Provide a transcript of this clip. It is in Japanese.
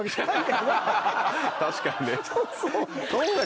確かにね。